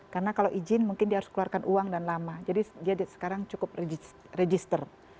karena kalau izin mungkin dia harus keluarkan uang dan lama jadi dia sekarang cukup register